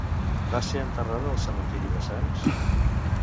Va ser enterrada al cementiri de Sants?